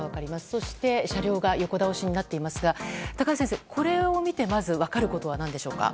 そして車両が横倒しになっていますが高橋先生、これを見てまず分かることは何でしょうか。